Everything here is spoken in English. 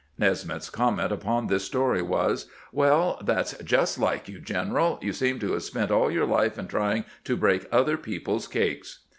Nesmith's comment upon this story was: "Well, that 's just like you, general; you seem to have spent all your life in trying to break other people's cakes."